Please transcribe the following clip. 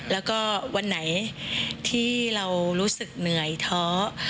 แล้วก็วันไหนที่เรารู้สึกเหนื่อยท้อ